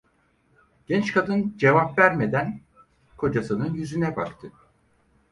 Genç kadın cevap vermeden kocasının yüzüne baktı.